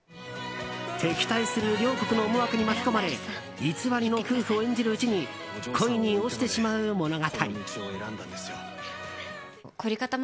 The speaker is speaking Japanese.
敵対する両国の思惑に巻き込まれ偽りの夫婦を演じるうちに恋に落ちてしまう物語。